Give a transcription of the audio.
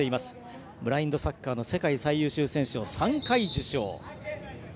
ブラインドサッカーの世界最優秀選手を３回受賞。